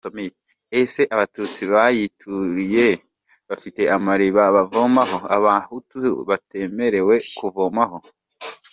ese abatutsi bayituriye bafite amariba bavomaho abahutu batemerewe kuvomaho ?